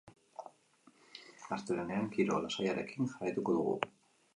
Astelehenean giro lasaiarekin jarraituko dugu.